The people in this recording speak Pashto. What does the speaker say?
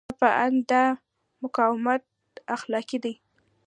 زما په اند دا مقاومت اخلاقي دی.